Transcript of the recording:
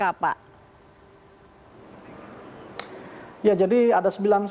ya jadi ada sembilan sektor atau industri yang dikenal sebagai bisnis